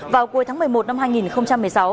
vào cuối tháng một mươi một năm hai nghìn một mươi sáu